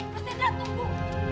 mas hendra tunggu